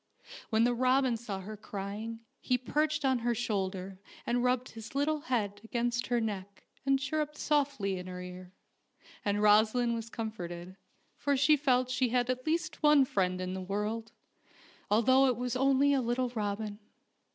When the robin saw her crying he perched on her shoulder and rubbed his little head against her neck and chirruped softly in her ear, and Rosaleen was comforted, for she felt she had at least one friend in the world, although it was only a little robin.